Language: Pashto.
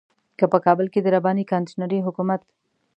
که په کابل کې د رباني کانتينري حکومت.